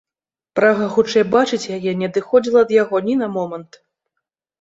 Прага хутчэй бачыць яе не адыходзіла ад яго ні на момант.